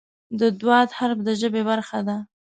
د "ض" حرف د ژبې برخه ده.